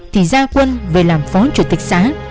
thì ra quân về làm phó chủ tịch xã